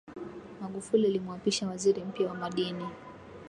magufuli alimwapisha waziri mpya wa madini